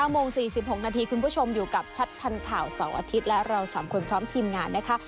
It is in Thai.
โมง๔๖นาทีคุณผู้ชมอยู่กับชัดทันข่าวเสาร์อาทิตย์และเรา๓คนพร้อมทีมงานนะคะ